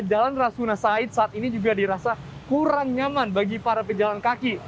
jalan rasuna said saat ini juga dirasa kurang nyaman bagi para pejalan kaki